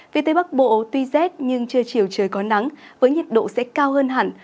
vì tây bắc bộ tuy rét nhưng trưa chiều trời có nắng với nhiệt độ sẽ cao hơn hẳn